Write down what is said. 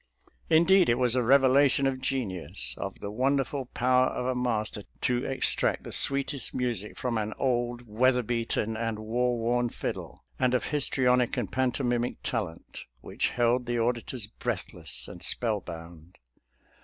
Indeed, it was a revelation THE POWER OF THE FIDDLE AND THE BOW 189 of genius, of the wonderful power of a master to extract the sweetest music from an old, weatherbeaten and warworn fiddle, and of his trionic and pantomimic talent, which held the auditors breathless and spellbound.